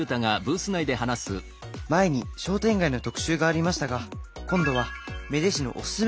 「前に商店街の特集がありましたが今度は芽出市のおススメ